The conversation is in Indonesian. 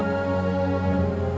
bukan siapa siapanya kamu